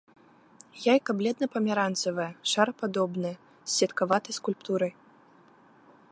Яйка бледна-памяранцавае, шарападобнае, з сеткаватай скульптурай.